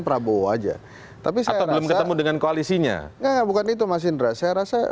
prabowo aja tapi saya belum ketemu dengan koalisinya enggak bukan itu mas indra saya rasa